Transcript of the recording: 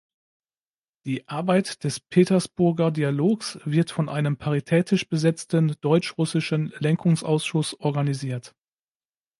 Die Arbeit des Petersburger Dialogs wird von einem paritätisch besetzten deutsch-russischen "Lenkungsausschuss" organisiert.